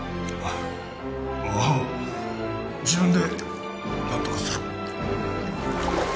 おお自分でなんとかする。